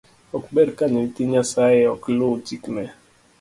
Ok ber ka nyithii nyasae ok lu chikne.